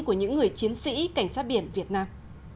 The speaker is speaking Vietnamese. của những người chiến sĩ cảnh sát biển việt nam